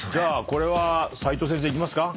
これは齋藤先生いきますか？